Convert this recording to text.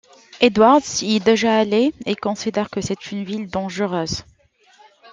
Edwards y est déjà allé et considère que c'est une ville dangereuse.